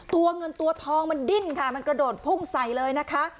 ตัวเงินตัวทองมันดิ้นค่ะมันกระโดดพุ่งใส่เลยนะคะ